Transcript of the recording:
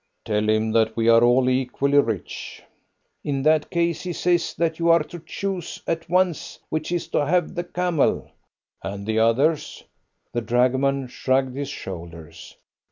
"Tell him that we are all equally rich." "In that case he says that you are to choose at once which is to have the camel." "And the others?" The dragoman shrugged his shoulders.